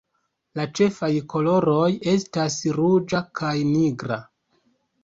La ĉefaj koloroj estas ruĝa kaj nigra.